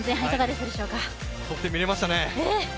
得点見れましたね。